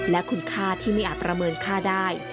และคุณค่าที่ไม่อาจประเมินค่าได้